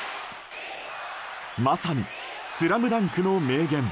まさに「ＳＬＡＭＤＵＮＫ」の名言